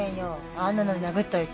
あんなので殴っといて。